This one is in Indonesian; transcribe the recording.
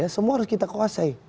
semua harus kita kuasai